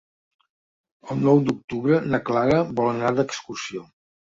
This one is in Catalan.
El nou d'octubre na Clara vol anar d'excursió.